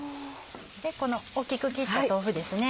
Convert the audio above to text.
この大きく切った豆腐ですね